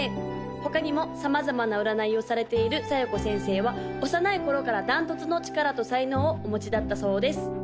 他にも様々な占いをされている小夜子先生は幼い頃から断トツの力と才能をお持ちだったそうです